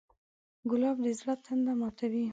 ګلاب د زړه تنده ماتوي.